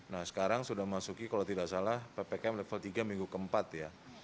nah sekarang sudah masuki kalau tidak salah ppkm level tiga minggu keempat ya